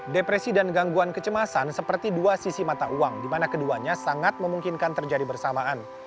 depresi dan gangguan kecemasan seperti dua sisi mata uang di mana keduanya sangat memungkinkan terjadi bersamaan